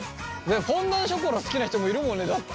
フォンダンショコラ好きな人もいるもんねだって。